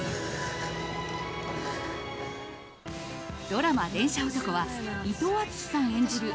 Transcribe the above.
ドラマ「電車男」は伊藤淳史さん演じる